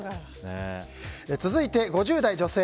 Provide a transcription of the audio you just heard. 続いて、５０代女性。